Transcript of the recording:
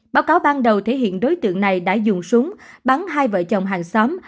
báo cáo ban đầu thể hiện đối tượng này đã dùng súng bắn hai vợ chồng hàng xóm